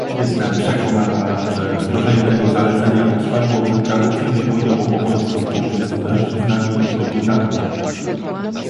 Jestem przekonana, że wdrożenie tego zalecenia utrwaliłoby tradycyjny podział obowiązków pomiędzy mężczyznami i kobietami